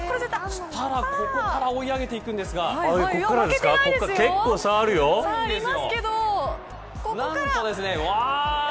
ここから追い上げていくんですが結構、差ありますよ。